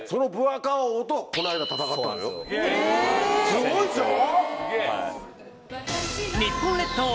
すごいでしょう！